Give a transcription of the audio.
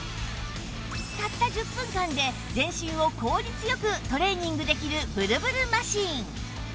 たった１０分間で全身を効率よくトレーニングできるブルブルマシン